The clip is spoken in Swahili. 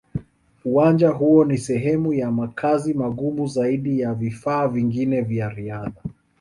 Uwanja huo ni sehemu ya makazi magumu zaidi ya vifaa vingine vya riadha.